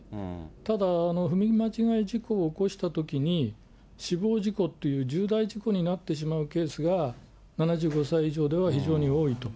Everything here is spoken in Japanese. ただ踏み間違い事故を起こしたときに、死亡事故っていう重大事故になってしまうケースが７５歳以上では非常に多いと。